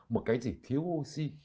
một cái gì thiếu oxy